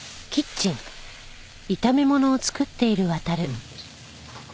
うん。